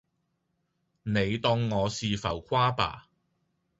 你當我是浮誇吧